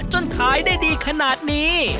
จนขายได้ดีขนาดนี้